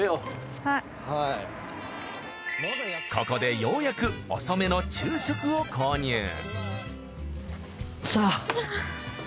ここでようやく遅めの昼食を購入。